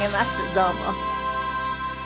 どうも。